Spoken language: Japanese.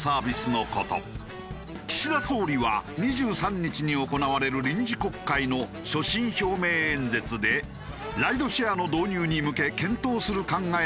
岸田総理は２３日に行われる臨時国会の所信表明演説でライドシェアの導入に向け検討する考えを打ち出す方針だという。